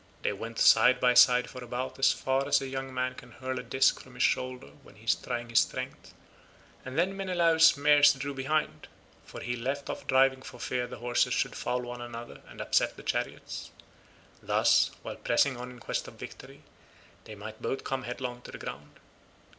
They went side by side for about as far as a young man can hurl a disc from his shoulder when he is trying his strength, and then Menelaus's mares drew behind, for he left off driving for fear the horses should foul one another and upset the chariots; thus, while pressing on in quest of victory, they might both come headlong to the ground.